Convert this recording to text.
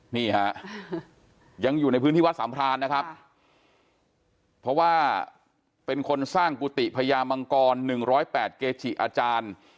นี่ฮะยังอยู่ในพื้นที่วัดสามพรานนะครับเพราะว่าเป็นคนสร้างกุฏิพญามังกร๑๐๘เกจิอาจารย์